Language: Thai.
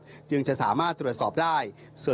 จึงจะสามารถตรวจสอบได้